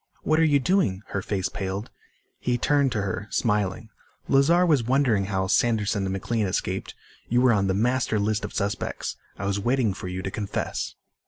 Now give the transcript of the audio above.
"What are you doing?" her face paled. He turned to her, smiling. "Lazar was wondering how Sanderson and McLean escaped. You were on the master list of suspects. I was waiting for you to confess."